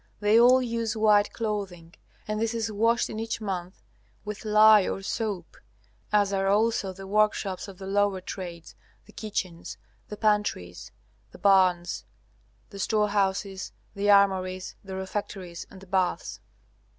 They all use white clothing, and this is washed in each month with lye or soap, as are also the workshops of the lower trades, the kitchens, the pantries the barns, the store houses, the armories, the refectories, and the baths.